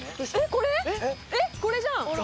えっこれじゃん。